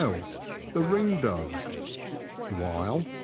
— The ringdove. DwYLE.